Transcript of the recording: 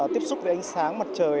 tiếp xúc với ánh sáng mặt trời